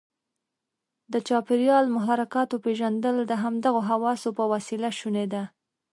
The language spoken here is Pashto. د چاپیریال محرکاتو پېژندل د همدغو حواسو په وسیله شونې ده.